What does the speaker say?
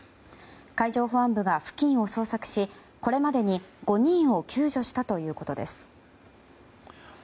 海上保安部が付近を捜索しこれまでに５人を救助したということです。